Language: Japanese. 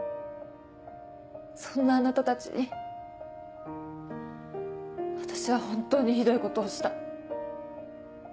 そんなあなたたちに私は本当にひどいことをした。